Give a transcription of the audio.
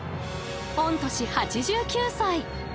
御年８９歳。